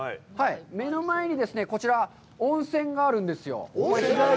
目の前にですね、こちら、温泉があるんですよ。